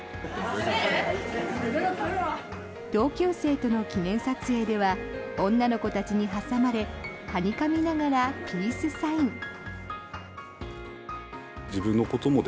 同級生との記念撮影では女の子たちに挟まれはにかみながらピースサイン。